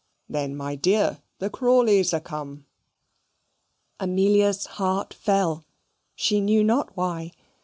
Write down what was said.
Then, my dear, the Crawleys are come." Amelia's heart fell she knew not why.